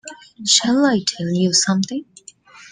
Shall I tell you something?